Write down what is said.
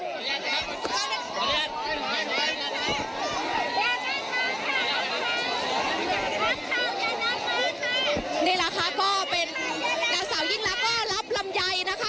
นี่แหละค่ะก็เป็นนางสาวยิ่งรักรับรำยัยนะคะ